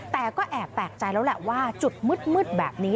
แต่ก็แอบแปลกใจแล้วแหละว่าจุดมืดแบบนี้